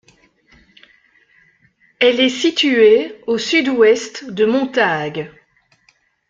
Elle est située au sud-ouest de Montague.